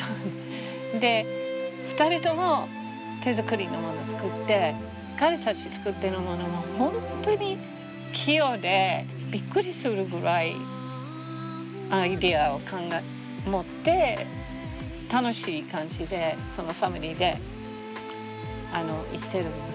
で２人とも手づくりのもの作って彼たち作ってるものも本当に器用でびっくりするぐらいアイデアを持って楽しい感じでそのファミリーで生きてるんよね。